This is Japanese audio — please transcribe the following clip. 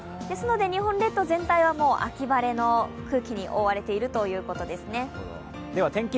日本列島全体は秋晴れの空気に覆われているということですね。